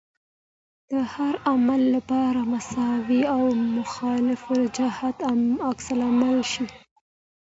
د هر عمل لپاره مساوي او مخالف الجهت عکس العمل شته.